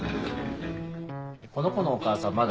この子のお母さんまだ？